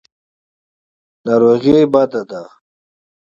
ناروغي بده ده.